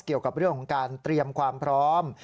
เกี่ยวกับเรื่องของการเตรียมความพร้อม